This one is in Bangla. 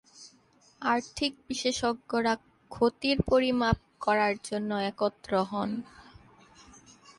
আর্থিক বিশেষজ্ঞরা ক্ষতির পরিমাপ করার জন্য একত্র হন।